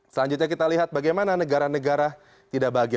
selanjutnya kita lihat bagaimana negara negara tidak bahagia